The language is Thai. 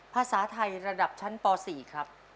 ภาษาไทยระดับชั้นป๔ครับ